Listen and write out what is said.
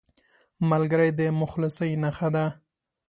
ملګری د مخلصۍ نښه ده